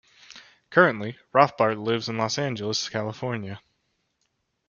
Currently, Rothbart lives in Los Angeles, California.